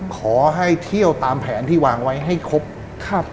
ขอให้เที่ยวตามแผนที่วางไว้ให้ครบครับ